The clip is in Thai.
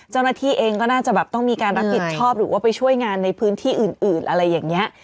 เจ้าหน้าที่เองก็น่าจะแบบต้องมีการรับผิดชอบหรือว่าไปช่วยงานในพื้นที่อื่นอะไรอย่างนี้